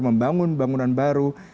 membangun bangunan baru